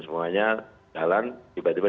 semuanya jalan tiba tiba